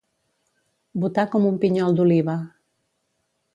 Botar com un pinyol d'oliva.